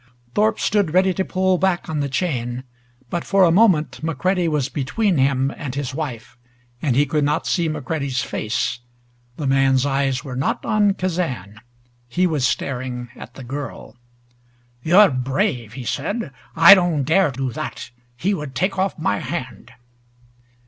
Thorpe stood ready to pull back on the chain, but for a moment McCready was between him and his wife, and he could not see McCready's face. The man's eyes were not on Kazan. He was staring at the girl. "You're brave," he said. "I don't dare do that. He would take off my hand!"